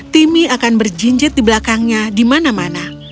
timmy akan berjinjit di belakangnya di mana mana